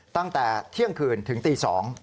ตั้งแต่เที่ยงคืนถึงตี๒